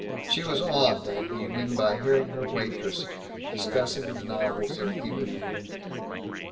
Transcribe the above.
She was awed that evening by hearing her waitress discussing the novels of Ibanez.